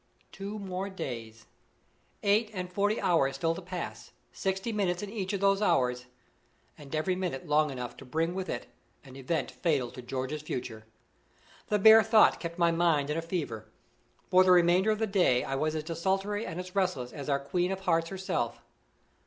Two more days! Eight and forty hours still to pass; sixty minutes in each of those hours; and every minute long enough to bring with it an event fatal to George's future! The bare thought kept my mind in a fever. For the remainder of the day I was as desultory and as restless as our Queen of Hearts herself.